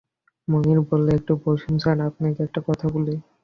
মুনির বলল, একটু বসুন স্যার, আপনাকে একটা কথা বলি।